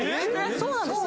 そうなんですよ